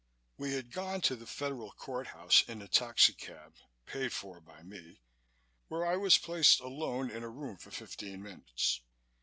We had gone to the Federal Court House in a taxicab (paid for by me) where I was placed alone in a room for fifteen minutes.